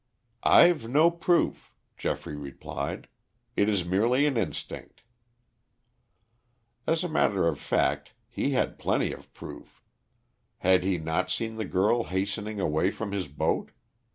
"I've no proof," Geoffrey replied. "It is merely an instinct." As a matter of fact, he had plenty of proof. Had he not seen the girl hastening away from his boat?